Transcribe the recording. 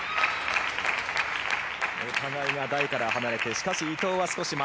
お互いが台から離れてしかし伊藤は少し前。